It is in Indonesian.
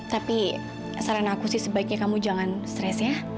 tapi saran aku sih sebaiknya kamu jangan stres ya